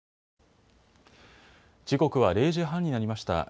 時刻は０時半になりました。